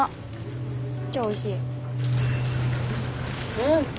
うん。